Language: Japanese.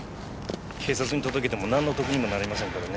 警察に届けても何の得にもなりませんからね。